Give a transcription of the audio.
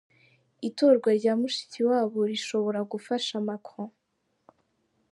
Itorwa rya Mushikiwabo rishobora gufasha Macron?.